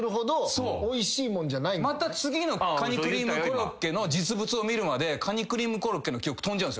また次のカニクリームコロッケの実物を見るまでカニクリームコロッケの記憶飛んじゃうんすよみんな。